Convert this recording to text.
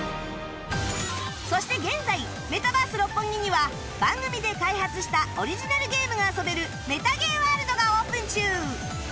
そして現在メタバース六本木には番組で開発したオリジナルゲームが遊べるメタゲーワールドがオープン中